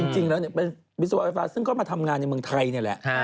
จริงแล้วเป็นวิศวไฟฟ้าซึ่งก็มาทำงานในเมืองไทยนี่แหละ